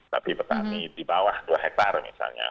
tapi petani di bawah dua hektare misalnya